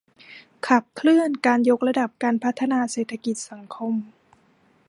ขับเคลื่อนการยกระดับการพัฒนาเศรษฐกิจ สังคม